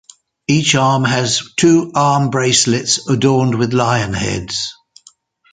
Each arm has two arm bracelets adorned with lion heads.